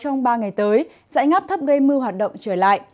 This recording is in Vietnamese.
trong ba ngày tới giải ngấp thấp gây mưa hoạt động trở lại